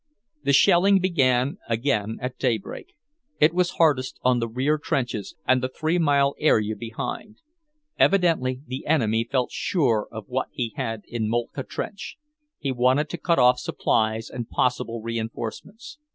The shelling began again at daybreak; it was hardest on the rear trenches and the three mile area behind. Evidently the enemy felt sure of what he had in Moltke trench; he wanted to cut off supplies and possible reinforcements.